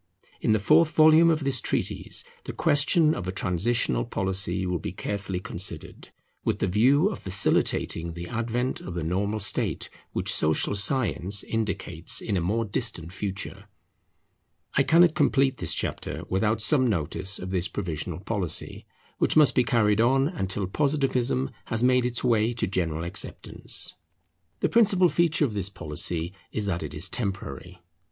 In the fourth volume of this treatise the question of a transitional policy will be carefully considered, with the view of facilitating the advent of the normal state which social science indicates in a more distant future. I cannot complete this chapter without some notice of this provisional policy, which must be carried on until Positivism has made its way to general acceptance. The principal feature of this policy is that it is temporary.